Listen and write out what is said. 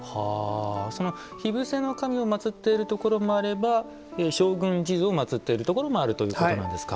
その火伏せの神を祭っているところもあれば勝軍地蔵を祭っているところもあるということなんですか。